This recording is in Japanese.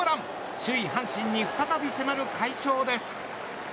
首位、阪神に再び迫る快勝です。